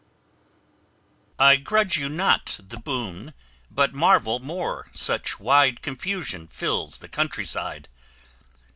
MELIBOEUS I grudge you not the boon, but marvel more, Such wide confusion fills the country side.